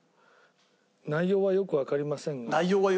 内容はよくわかりませんが。